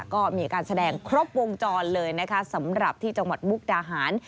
ก็มีการแสดงครบวงจรเลยนะคะสำหรับที่จังหวัดมุกดาหาร